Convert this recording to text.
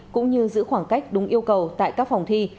cũng như giữ khoảng cách đúng yêu cầu tại các phòng thi